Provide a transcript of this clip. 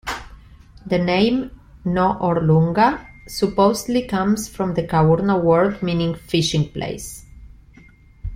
The name "No-orlunga" supposedly comes from the Kaurna word meaning 'fishing place'.